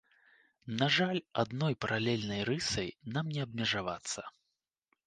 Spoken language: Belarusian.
На жаль, адной паралельнай рысай нам не абмежавацца.